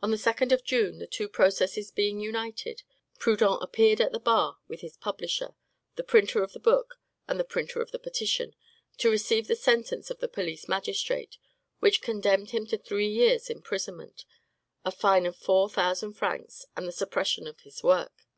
On the 2d of June, the two processes being united, Proudhon appeared at the bar with his publisher, the printer of the book, and the printer of the petition, to receive the sentence of the police magistrate, which condemned him to three years' imprisonment, a fine of four thousand francs, and the suppression of his work.